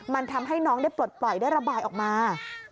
มันทำให้น้องได้ปลดปล่อยได้ระบายออกมา